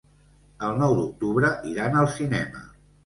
El nou d'octubre iran al cinema.